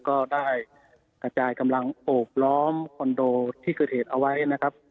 ก็ได้กระจายกำลังโอบล้อมคอนโดที่เกิดเหตุเอาไว้นะครับ